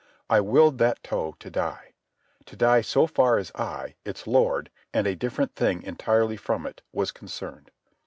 I willed that toe to die—to die so far as I, its lord, and a different thing entirely from it, was concerned.